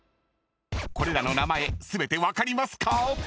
［これらの名前全て分かりますか？］